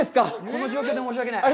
この状況で申し訳ない。